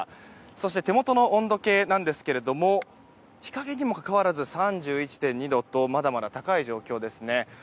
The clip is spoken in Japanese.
そして手元の温度計なんですが日陰にもかかわらず３１．２度とまだまだ高い状況ですね。